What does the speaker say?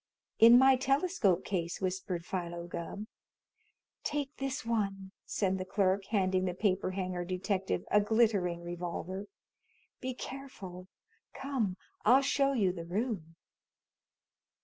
"In my telescope case," whispered Philo Gubb. "Take this one," said the clerk, handing the paper hanger detective a glittering revolver. "Be careful. Come I'll show you the room."